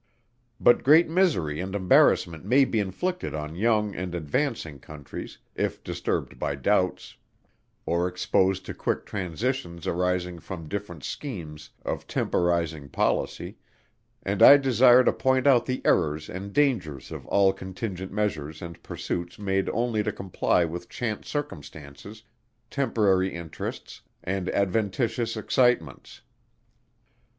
But great misery and embarrassment may be inflicted on young and advancing Countries, if disturbed by doubts, or exposed to quick transitions arising from different schemes of temporizing policy, and I desire to point out the errors and dangers of all contingent measures and pursuits made only to comply with chance circumstances, temporary interests and adventitious excitements.